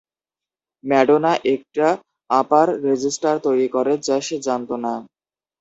Madonna একটা upper register তৈরি করে যা সে জানতো না।